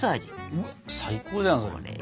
うわ最高じゃんそれ。